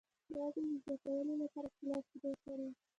د وزن د زیاتولو لپاره کیله او شیدې وکاروئ